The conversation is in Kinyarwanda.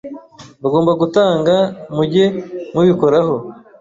bagomba gutanga, mujye mubikoraho